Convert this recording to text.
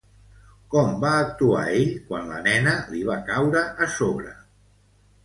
Com va actuar ell quan la nena li va caure a sobre?